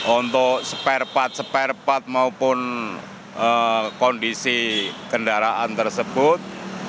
untuk spare part spare part maupun kondisi kendaraan tersebut